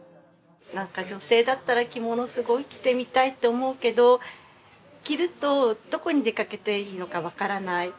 女性だったら着物をすごい着てみたいと思うけど着るとどこに出掛けていいのかわからない。